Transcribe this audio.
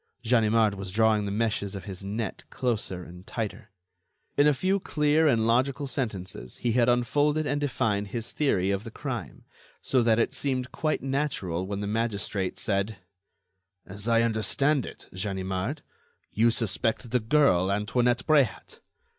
Ganimard was drawing the meshes of his net closer and tighter. In a few clear and logical sentences, he had unfolded and defined his theory of the crime, so that it seemed quite natural when the magistrate said: "As I understand it, Ganimard, you suspect the girl Antoinette Bréhat?"